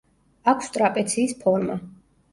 აქვს ტრაპეციის ფორმა.